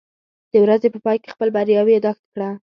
د ورځې په پای کې خپل بریاوې یاداښت کړه.